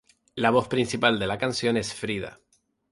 La voz principal de la canción es Frida.